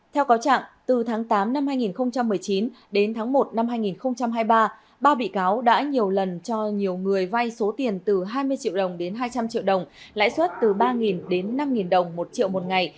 theo cáo trạng từ tháng tám năm hai nghìn một mươi chín đến tháng một năm hai nghìn hai mươi ba ba bị cáo đã nhiều lần cho nhiều người vai số tiền từ hai mươi triệu đồng đến hai trăm linh triệu đồng lãi suất từ ba đến năm đồng một triệu một ngày